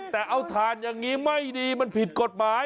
แต่เอาถ่านอย่างนี้ไม่ดีมันผิดกฎหมาย